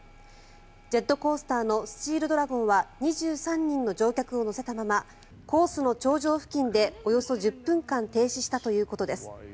ジェットコースターのスチールドラゴンは２３人の乗客を乗せたままコースの頂上付近でおよそ１０分間停止したということです。